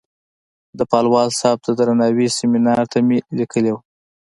د پالوال صاحب د درناوۍ سیمینار ته مې لیکلې وه.